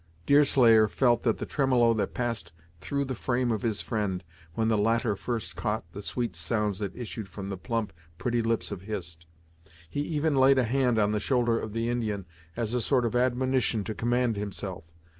Deerslayer felt the tremolo that passed through the frame of his friend when the latter first caught the sweet sounds that issued from the plump, pretty lips of Hist. He even laid a hand on the shoulder of the Indian, as a sort of admonition to command himself.